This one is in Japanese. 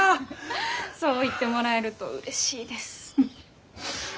そう言ってもらえるとうれしいです。